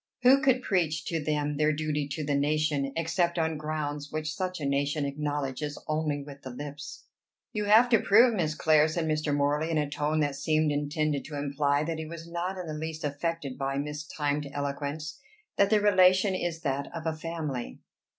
Who could preach to them their duty to the nation, except on grounds which such a nation acknowledges only with the lips?" "You have to prove, Miss Clare," said Mr. Morley, in a tone that seemed intended to imply that he was not in the least affected by mistimed eloquence, "that the relation is that of a family."